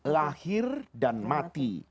lahir dan mati